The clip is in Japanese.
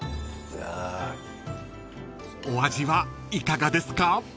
［お味はいかがですか？］